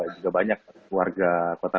juga banyak warga kota